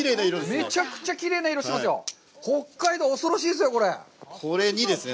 めちゃくちゃきれいな色ですね。